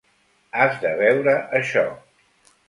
Has de veure això.